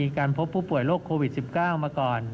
การพบผู้ป่วยโรคโควิด๑๙มาก่อน